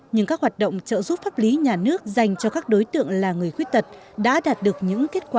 nhưng các hoạt động trợ giúp pháp lý nhà nước dành cho các đối tượng là người khuyết tật đã đạt được những kết quả